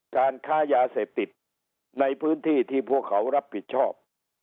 การค้ายาเสพติดในพื้นที่ที่พวกเขารับผิดชอบ